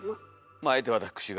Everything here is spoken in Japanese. まああえて私が。